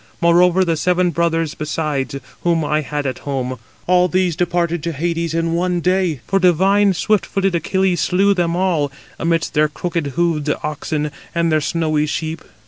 Moreover, the seven brothers besides, whom I had at home, all these indeed departed to Hades in one day. For divine, swift footed Achilles slew them all, amidst their crooked hoofed oxen and their snowy sheep.